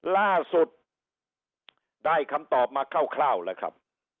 ล่าสุดได้คำตอบมาคร่าวแล้วครับ